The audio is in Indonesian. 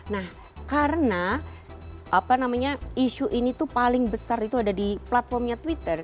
nah karena apa namanya isu ini tuh paling besar itu ada di platformnya twitter